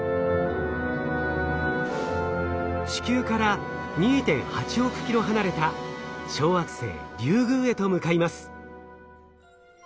地球から２．８億キロ離れた小惑星リュウグウへと向かいます。